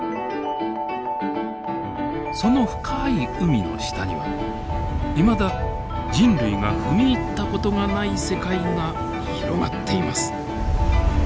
その深い海の下にはいまだ人類が踏み入った事がない世界が広がっています。